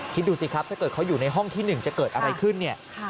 คิดดูสิครับถ้าเกิดเขาอยู่ในห้องที่๑จะเกิดอะไรขึ้นเนี่ย